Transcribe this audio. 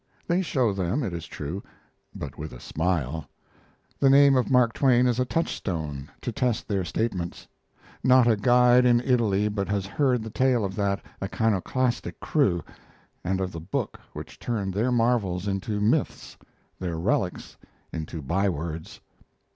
They show them, it is true, but with a smile; the name of Mark Twain is a touch stone to test their statements. Not a guide in Italy but has heard the tale of that iconoclastic crew, and of the book which turned their marvels into myths, their relics into bywords.